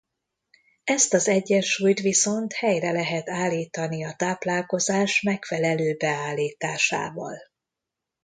Ezt az egyensúlyt viszont helyre lehet állítani a táplálkozás megfelelő beállításával.